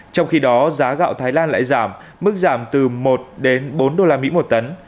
trong khi đó giá gạo thái lan lại giảm mức giảm từ một đến bốn usd một tấn